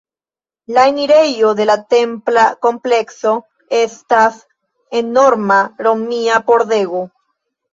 La enirejo de la templa komplekso estas enorma romia pordego.